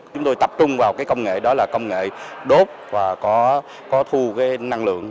chúng tôi tập trung vào cái công nghệ đó là công nghệ đốt và có thu năng lượng